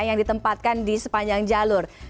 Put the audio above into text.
yang ditempatkan di sepanjang jalur